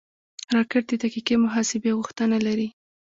راکټ د دقیقې محاسبې غوښتنه لري